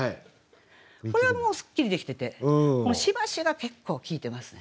これはもうすっきりできててこの「暫し」が結構効いてますね。